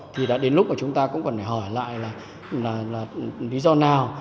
thì đã đến lúc mà chúng ta cũng còn phải hỏi lại là lý do nào